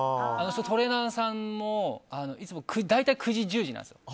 トレーナーさんもいつも大体９時、１０時なんですよ。